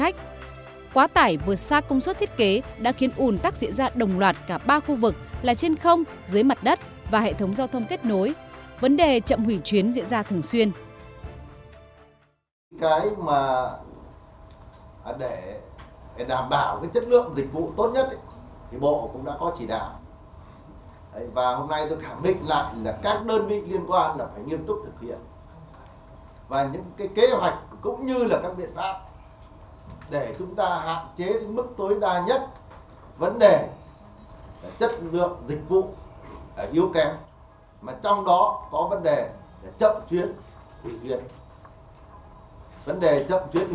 công suất thiết kế đã khiến ủn tắc diễn ra đồng loạt cả ba khu vực là trên không dưới mặt đất và hệ thống giao thông kết nối vấn đề chậm hủy chuyến diễn ra thường xuyên